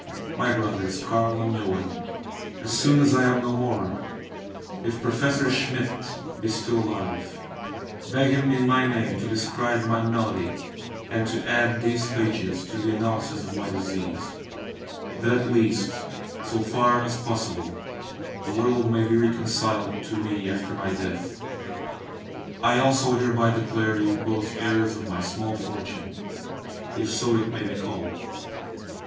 My brothers Carl and Johann, as soon as I am no more, if Professor Schmidt [see Nos. 18 and 23] be still alive, beg him in my name to describe my malady, and to add these pages to the analysis of my disease, that at least, so far as possible, the world may be reconciled to me after my death. I also hereby declare you both heirs of my small fortune (if so it may be called).